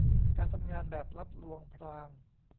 การทำงานแบบลับลวงพราง